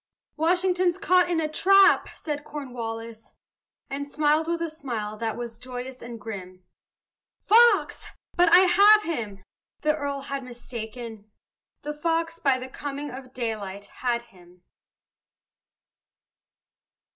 "Washington's caught in a trap!" said Cornwallis, And smiled with a smile that was joyous and grim; "Fox! but I have him!" the earl had mistaken; The fox, by the coming of daylight, had him.